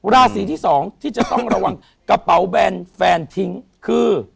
ราศีที่สองที่จะต้องระวังกระเป๋าแบนแฟนทิ้งคือ